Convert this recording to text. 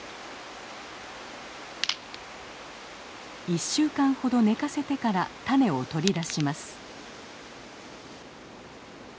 １週間ほど寝かせてから種を取り出します。